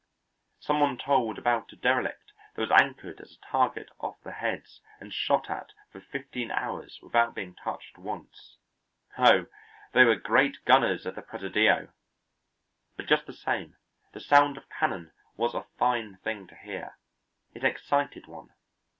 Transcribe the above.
Some one told about a derelict that was anchored as a target off the heads, and shot at for fifteen hours without being touched once. Oh, they were great gunners at the Presidio! But just the same the sound of cannon was a fine thing to hear; it excited one.